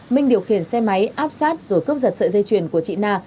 minh điều khiển xe máy áp sát rồi cướp giật sợi dây chuyền của chị na